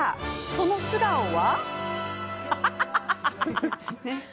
その素顔は。